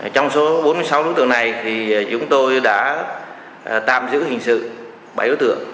trong số bốn mươi sáu đối tượng này thì chúng tôi đã tạm giữ hình sự bảy đối tượng